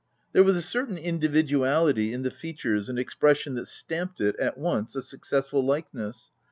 There was a certain individuality in the features and expression that stamped it, at once, a suc cessful likeness.